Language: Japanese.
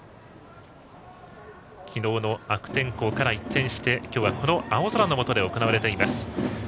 昨日の悪天候から一転して今日は青空のもとで行われています。